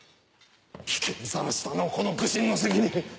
危険にさらしたのはこの愚臣の責任。